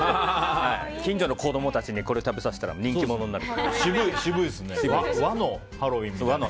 近所の子供たちにこれ食べさせたらしぶいですね。